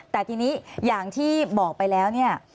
แต่ทีนี้อย่างที่บอกไปแล้วเนี่ย